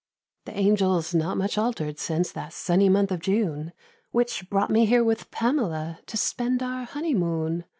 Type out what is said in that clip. The Angel's not much alter'd since That sunny month of June, Which brought me here with Pamela To spend our honey moon!